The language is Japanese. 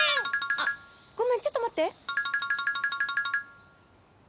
あっごめんちょっと待って。